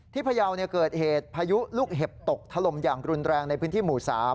พยาวเกิดเหตุพายุลูกเห็บตกถล่มอย่างรุนแรงในพื้นที่หมู่๓